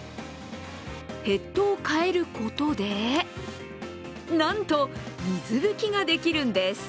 ヘッドを変えることでなんと水拭きができるんです。